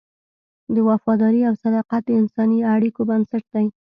وفاداري او صداقت د انساني اړیکو بنسټ دی.